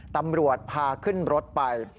ตำรวจพาขึ้นรถไป